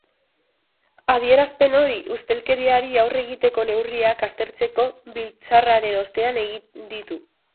Adierazpen hori ustelkeriari aurre egiteko neurriak aztertzeko biltzarraren ostean egin ditu.